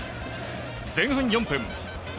前半４分。